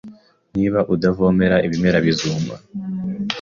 Niba udavomerera ibimera, bizuma.